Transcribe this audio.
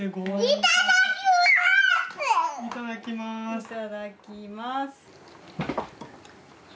いただきます。